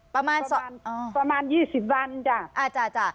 ประมาณสองอ้าวประมาณยี่สิบวันจ้ะอ่าจ้ะจ้ะ